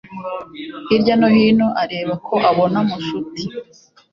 hirya no hino areba ko abona mushuti